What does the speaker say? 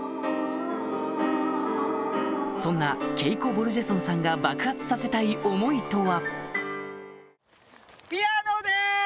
そんなケイコ・ボルジェソンさんが爆発させたい想いとはピアノで！